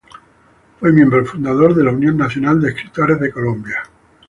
Fue Miembro fundador de la Unión Nacional de Escritores de Colombia.